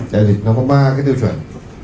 đại dịch nó có ba cái tiêu chuẩn